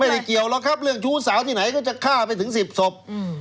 เกี่ยวหรอกครับเรื่องชู้สาวที่ไหนก็จะฆ่าไปถึงสิบศพ